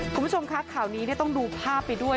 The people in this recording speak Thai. คุณผู้ชมคะข่าวนี้ต้องดูภาพไปด้วย